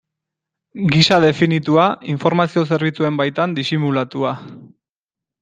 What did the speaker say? Gisa definitua, informazio zerbitzuen baitan disimulatua.